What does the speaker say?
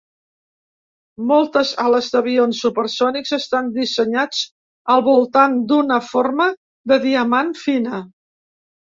Moltes ales d'avions supersònics estan dissenyats al voltant d'una forma de diamant fina.